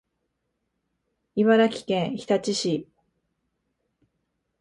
茨城県日立市